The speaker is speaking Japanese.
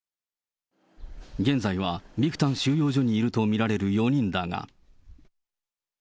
現在はビクタン収容所にいると見られる４人だが。